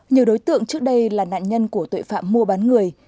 nhiều đối tượng trước đây là nạn nhân của tội phạm mua bán người